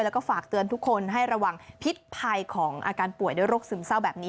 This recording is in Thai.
แล้วก็ฝากเตือนทุกคนให้ระวังพิษภัยของอาการป่วยด้วยโรคซึมเศร้าแบบนี้